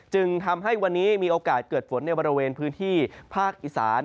จึงทำให้วันนี้มีโอกาสเกิดฝนในบริเวณพื้นที่ภาคอีสาน